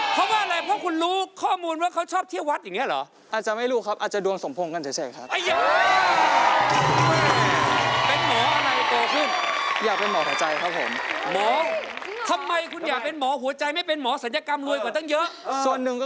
เพราะว่าอะไรเพราะคุณรู้ข้อมูลว่าเขาชอบเที่ยววัดอย่างนี้เหรอ